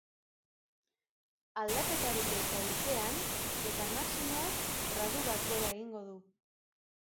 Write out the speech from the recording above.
Aldaketarik ez haizean, eta maximoak gradu bat gora egingo du.